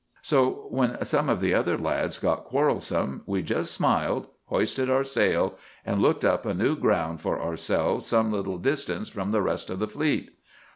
So, when some of the other lads got quarrelsome, we just smiled, hoisted our sail, and looked up a new ground for ourselves some little distance from the rest of the fleet.